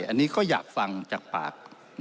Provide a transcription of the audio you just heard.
อันนี้ก็อยากฟังจากปาก